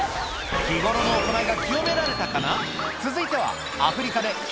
日頃の行いが清められたかな？